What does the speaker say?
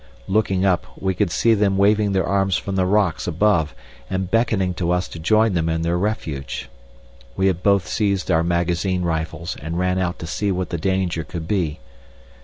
Looking up, we could see them waving their arms from the rocks above and beckoning to us to join them in their refuge. We had both seized our magazine rifles and ran out to see what the danger could be.